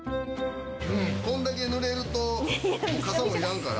こんだけぬれると傘もいらんから。